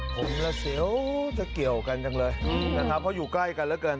ผมและเซลล์จะเกี่ยวกันจังเลยนะครับเพราะอยู่ใกล้กันแล้วกัน